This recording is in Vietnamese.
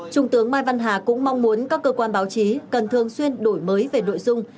trung tướng mai văn hà cũng mong muốn các cơ quan báo chí cần thường xuyên đổi mới về nội dung